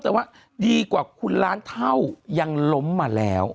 แต่ว่าดีกว่าคุณล้านเท่ายังล้มมาแล้ว